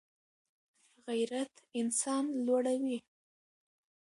غیرت انسان لوړوي